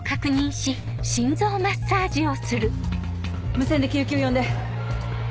無線で救急呼んで。